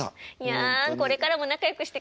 やんこれからも仲よくしてください。